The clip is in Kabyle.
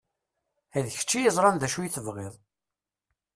D kečč i yeẓran d acu i tebɣiḍ!